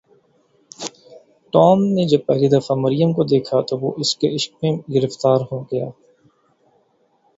Tom نے جب پہلی دفعہ مریم کو دیکھا تو وہ اس کے عشق میں گرفتار ہو گیا۔